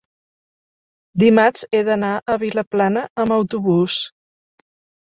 dimarts he d'anar a Vilaplana amb autobús.